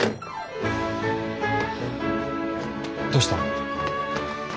どうしたの？